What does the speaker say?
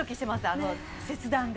あの切断で。